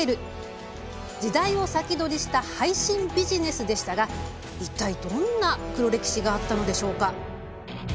時代を先取りした配信ビジネスでしたがいったい、どんな黒歴史があったのでしょうか？